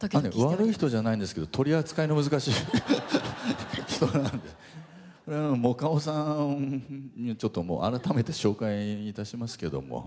悪い人じゃないんですけど取り扱いの難しい人なんで。もかおさんにちょっともう改めて紹介いたしますけども。